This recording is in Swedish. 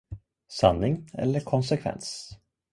Sanning eller konsekvens?